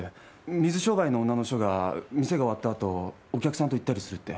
水商売の女の人が店が終わったあとお客さんと行ったりするって。